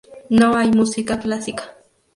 No hay música clásica".